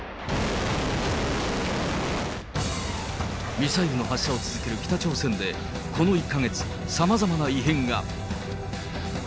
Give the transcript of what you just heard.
ミサイルの発射を続ける北朝鮮で、この１か月、さまざまな異変が。